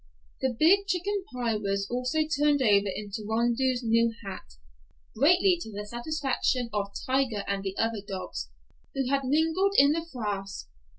The big chicken pie was also turned over into Rondeau's new hat, greatly to the satisfaction of Tiger and the other dogs, who had mingled in the fracas!